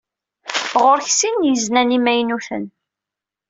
Ɣur-k sin n yiznan imaynuten.